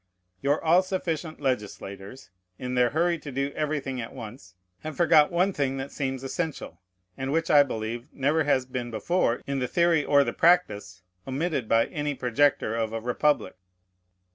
Your all sufficient legislators, in their hurry to do everything at once, have forgot one thing that seems essential, and which, I believe, never has been before, in the theory or the practice, omitted by any projector of a republic.